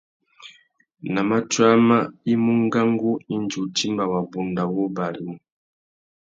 Nà matiō amá, i mú ngangu indi u timba wabunda wô barimú.